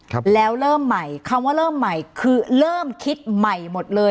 ครับแล้วเริ่มใหม่คำว่าเริ่มใหม่คือเริ่มคิดใหม่หมดเลย